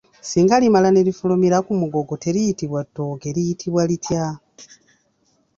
Singa limala ne lifulumira ku mugogo teriyitibwa ttooke, liyitibwa litya?